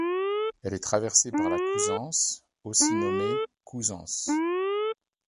Elle est traversée par la Cousances, aussi nommée Cousance.